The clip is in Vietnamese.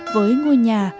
với ngôi nhà